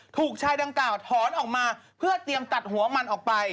ถูกชายดังกล่าวถอนออกมาเพื่อเตรียมตัดหัวมันออกไป